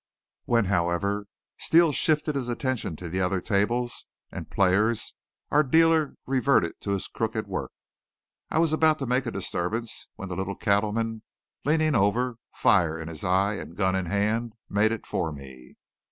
When, however, Steele shifted his attention to other tables and players our dealer reverted to his crooked work. I was about to make a disturbance, when the little cattleman, leaning over, fire in his eye and gun in hand, made it for me.